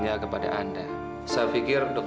ngapain mereka kesini